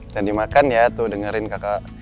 jangan dimakan ya tuh dengerin kakak